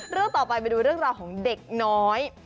เรื่องต่อไปไปดูเรื่องราวของเด็กน้อย